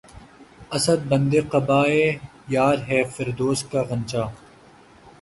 اسد! بندِ قباے یار‘ ہے فردوس کا غنچہ